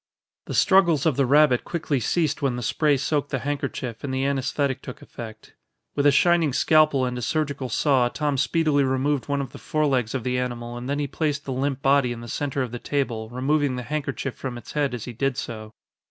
The struggles of the rabbit quickly ceased when the spray soaked the handkerchief and the anaesthetic took effect. With a shining scalpel and a surgical saw, Tom speedily removed one of the forelegs of the animal and then he placed the limp body in the center of the table, removing the handkerchief from its head as he did so.